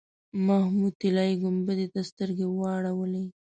محمود طلایي ګنبدې ته سترګې واړولې.